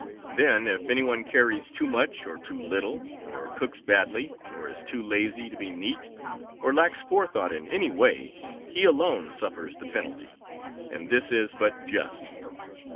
Then if any one carries too much or too little, or cooks badly, or is too lazy to be neat, or lacks forethought in any way, he alone suffers the penalty; and this is but just.